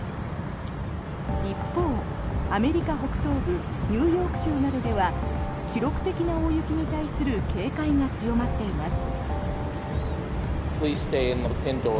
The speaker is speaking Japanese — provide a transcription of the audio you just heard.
一方、アメリカ北東部ニューヨーク州などでは記録的な大雪に対する警戒が強まっています。